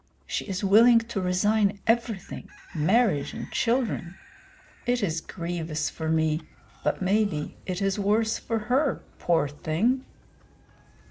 She is willing to resign everything, marriage and children. It is grievous for me, but maybe it is worse for her, poor thing!"